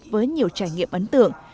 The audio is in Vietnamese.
với nhiều trải nghiệm ấn tượng